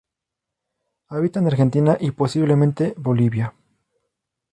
Habita en Argentina y posiblemente Bolivia.